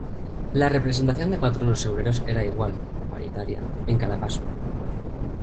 La representación de patronos y obreros era igual –paritaria- en cada paso.